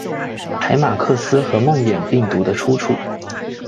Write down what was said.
海马克斯和梦魇病毒的出处！